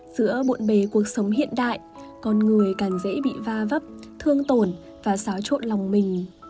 giữa bộn bề cuộc sống hiện đại con người càng dễ bị va vấp thương tổn và xáo trộn lòng mình